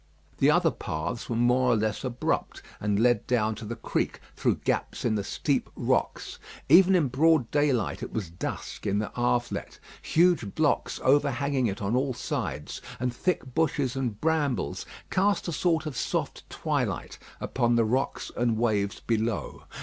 The other paths were more or less abrupt, and led down to the creek through gaps in the steep rocks. Even in broad daylight, it was dusk in the Havelet. Huge blocks overhanging it on all sides, and thick bushes and brambles cast a sort of soft twilight upon the rocks and waves below.